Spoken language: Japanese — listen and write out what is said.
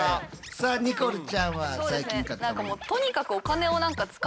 さあニコルちゃんは最近買ったもの？